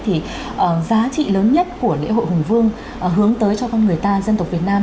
thì giá trị lớn nhất của lễ hội hùng vương hướng tới cho con người ta dân tộc việt nam